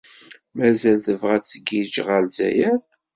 Mazal tebɣa ad tgiǧǧ ɣer Lezzayer?